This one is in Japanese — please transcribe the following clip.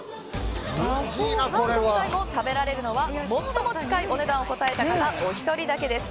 今回も食べられるのは最も近いお値段を答えた方お一人だけです。